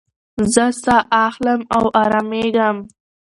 زه ساه اخلم او ارامېږم.